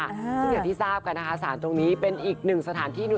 ซึ่งอย่างที่ทราบกันนะคะสารตรงนี้เป็นอีกหนึ่งสถานที่